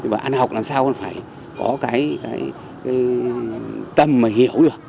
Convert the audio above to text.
và ăn học làm sao còn phải có cái tâm hiểu